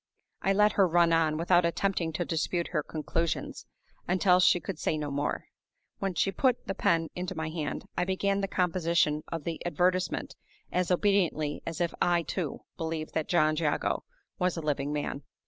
I let her run on, without attempting to dispute her conclusions, until she could say no more. When she put the pen into my hand, I began the composition of the advertisement as obediently as if I, too, believed that John Jago was a living man.